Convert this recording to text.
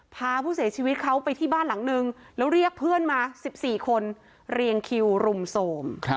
พาผู้เสียชีวิตเขาไปที่บ้านหลังนึงแล้วเรียกเพื่อนมา๑๔คนเรียงคิวรุมโทรม